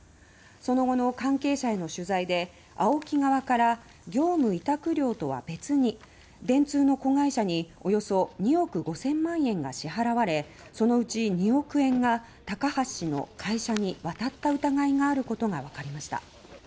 その後の関係者への取材でＡＯＫＩ側から業務委託料とは別に電通の子会社におよそ２億５０００万円が支払われ、そのうち２億円が高橋氏の会社に渡った疑いがあることがわかりました。